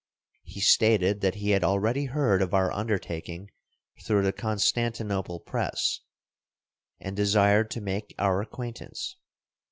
He stated that he had already heard of our undertaking through the Constantinople press, and desired to make our acquaintance.